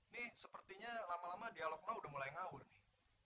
nih sepertinya lama lama dialog mak sudah mulai ngaur nih